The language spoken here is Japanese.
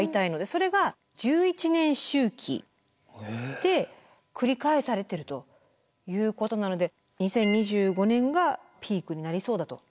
それが１１年周期で繰り返されてるということなので２０２５年がピークになりそうだと。